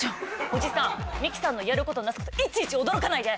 おじさん美紀さんのやることなすこといちいち驚かないで！